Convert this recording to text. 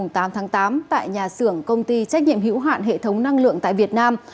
tám tháng tám tại nhà xưởng công ty trách nhiệm hiểu hạn hệ thống năng lượng tại việt nam